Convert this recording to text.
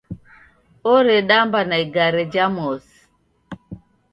Oredamba na igare ja mosi.